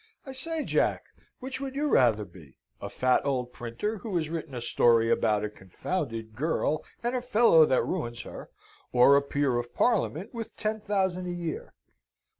I say, Jack, which would you rather be? a fat old printer," who has written a story about a confounded girl and a fellow that ruins her, or a peer of Parliament with ten thousand a year?"